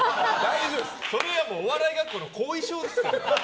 それはお笑い学校の後遺症です。